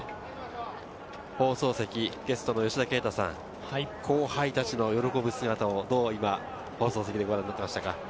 ゲストの吉田圭太さん、後輩たちの喜ぶ姿をどうご覧になっていましたか？